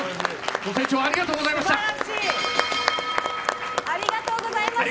ご清聴ありがとうございました。